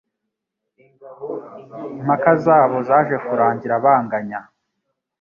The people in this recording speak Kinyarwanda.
Impaka zabo zaje kurangira banganya.